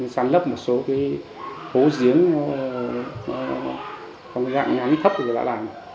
săn lấp một số cái hố giếng trong cái dạng ngắn thấp thì đã làm